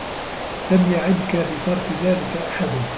لَمْ يَعِبْك بِتَرْكِ ذَلِكَ أَحَدٌ